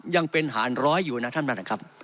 ยังเป็นหารร้อยอยู่นะท่านประธานครับ